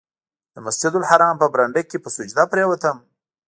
د مسجدالحرام په برنډه کې په سجده پرېوتم.